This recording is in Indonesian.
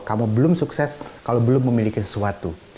kamu belum sukses kalau belum memiliki sesuatu